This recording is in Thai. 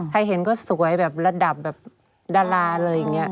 ใครเห็นก็สวยแบบระดับดาราอะไรอย่างนี้